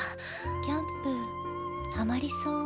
キャンプはまりそう。